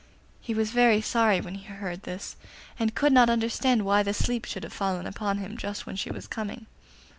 He was very sorry when he heard this, and could not understand why the sleep should have fallen upon him just when she was coming.